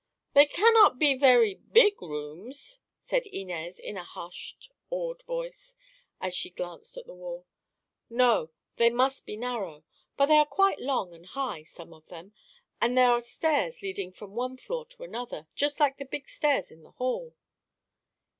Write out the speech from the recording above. "They cannot be very big rooms," said Inez in a hushed, awed voice, as she glanced at the wall. "No; they must be narrow. But they are quite long and high—some of them—and there are stairs leading from one floor to another, just like the big stairs in the hall."